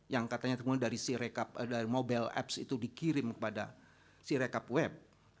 yang katanya temuan dari si rekap dari mobile apps itu dikirim kepada si rekap web